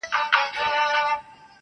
ستوري هم سترګک وهي په مینه مینه,